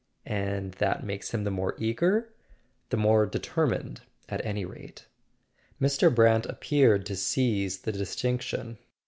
"And that makes him the more eager?" "The more determined, at any rate." Mr. Brant appeared to seize the distinction.